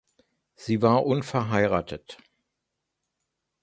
Sie war unverheiratet.